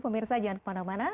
pemirsa jangan kemana mana